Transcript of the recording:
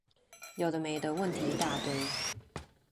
有的沒的問題一大堆